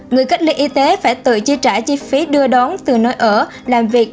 người cách ly y tế phải tự chi trả chi phí đưa đón từ nơi ở làm việc